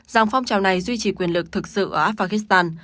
rằng phong trào này duy trì quyền lực thực sự ở afghanistan